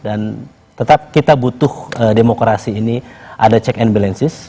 dan tetap kita butuh demokrasi ini ada check and balances